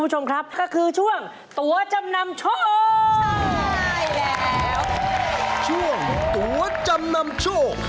ช่วงตัวจำนำโชค